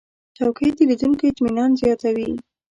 چوکۍ د لیدونکو اطمینان زیاتوي.